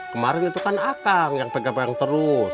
kemarin itu kan atang yang pegang pegang terus